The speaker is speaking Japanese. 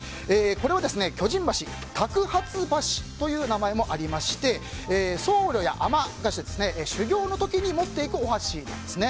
なぜかというと、巨人箸托鉢箸という名前もありまして僧や尼が修行の時に持っていくお箸なんです。